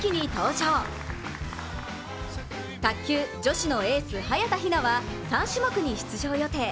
卓球・女子のエース、早田ひなは３種目に出場予定。